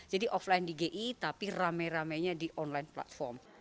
jadi offline di gi tapi rame ramenya di online platform